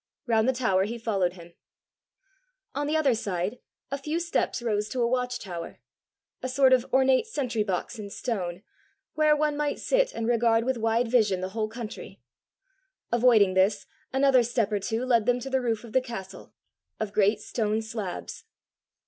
Round the tower he followed him. On the other side a few steps rose to a watch tower a sort of ornate sentry box in stone, where one might sit and regard with wide vision the whole country. Avoiding this, another step or two led them to the roof of the castle of great stone slabs.